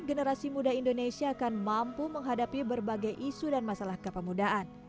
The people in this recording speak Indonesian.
generasi muda indonesia akan mampu menghadapi berbagai isu dan masalah kepemudaan